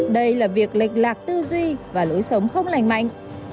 đây là việc lệch lạc tư duy và lối sống không lành mạnh